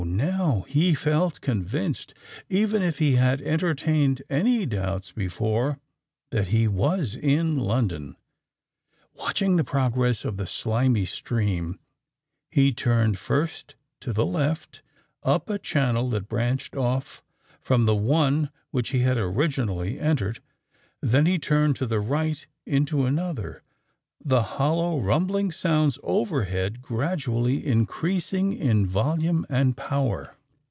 now he felt convinced—even if he had entertained any doubts before—that he was in London. Watching the progress of the slimy stream, he turned first to the left, up a channel that branched off from the one which he had originally entered;—then he turned to the right into another—the hollow rumbling sounds overhead gradually increasing in volume and power.